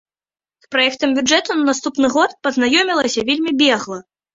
З праектам бюджэту на наступны год пазнаёмілася вельмі бегла.